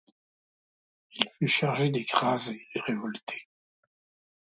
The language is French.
Il fut chargé d'écraser les révoltés.